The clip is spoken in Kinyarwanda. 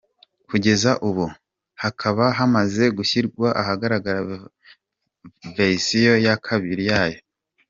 Kugeza ubu hakaba hamaze gushyirwa ahagaragara version ya kabiri yayo.